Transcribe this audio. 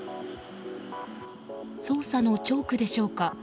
捜査のチョークでしょうか。